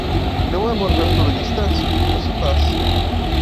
E não é amor ver tudo à distância? como você faz.